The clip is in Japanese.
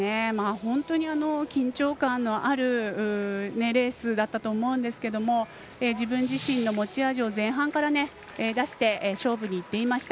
本当に緊張感のあるレースだったと思うんですけれども自分自身の持ち味を前半から出して勝負にいっていました。